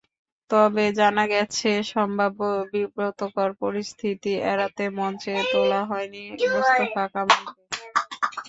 তবে জানা গেছে, সম্ভাব্য বিব্রতকর পরিস্থিতি এড়াতেই মঞ্চে তোলা হয়নি মুস্তফা কামালকে।